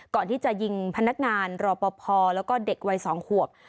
ก่อนที่จะยิงพนักงานรอปภแล้วก็เด็กวัย๒ขวบ